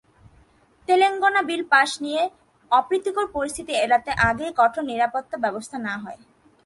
Telangana bill pass নিয়ে অপ্রীতিকর পরিস্থিতি এড়াতে আগেই কঠোর নিরাপত্তা ব্যবস্থা নেওয়া হয়।